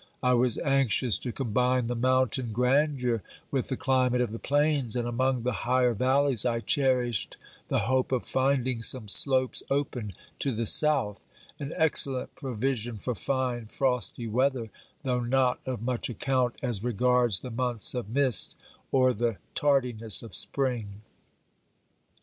I was anxious to combine the mountain grandeur with the climate of the plains, and among the higher valleys I cherished the hope of finding some slopes open to the south, an excellent provision for fine frosty weather, though not of much account as regards the months of mist or the tardiness of spring.